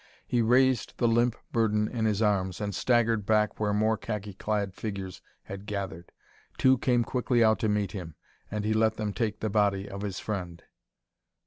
He raised the limp burden in his arms and staggered back where more khaki clad figures had gathered. Two came quickly out to meet him, and he let them take the body of his friend.